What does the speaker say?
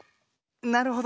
なるほど。